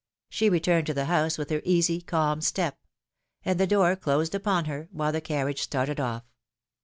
She returned to the house with her easy, calm step; and the door closed upon her, while the carriage started off.